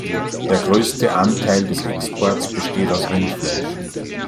Der größte Anteil des Exports besteht aus Rindfleisch.